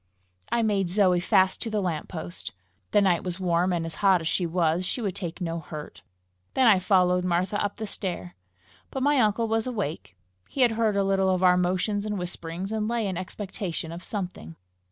I made Zoe fast to the lamp post: the night was warm, and hot as she was, she would take no hurt. Then I followed Martha up the stair. But my uncle was awake. He had heard a little of our motions and whisperings, and lay in expectation of something.